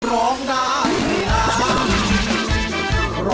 ร้องได้ให้ล้าน